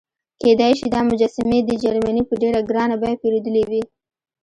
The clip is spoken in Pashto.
کېدای شي دا مجسمې دې جرمني په ډېره ګرانه بیه پیرودلې وي.